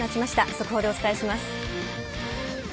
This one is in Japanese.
速報でお伝えします。